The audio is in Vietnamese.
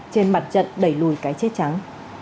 trên mặt trận đẩy lùi cái chết trắng